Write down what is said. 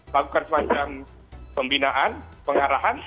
lakukan semacam pembinaan pengarahan